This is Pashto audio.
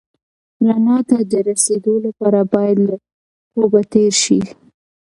رڼا ته د رسېدو لپاره باید له خوبه تېر شې.